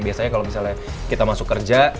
biasanya kalau misalnya kita masuk kerja